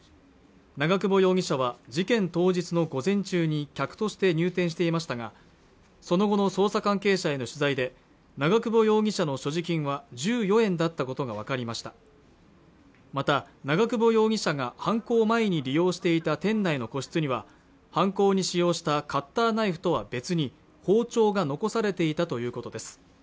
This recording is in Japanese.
長久保容疑者は事件当日の午前中に客として入店していましたがその後の捜査関係者への取材で長久保容疑者の所持金は１４円だったことが分かりましたまた長久保容疑者が犯行前に利用していた店内の個室には犯行に使用したカッターナイフとは別に包丁が残されていたということです